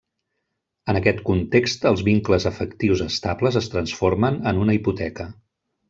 En aquest context els vincles afectius estables es transformen en una hipoteca.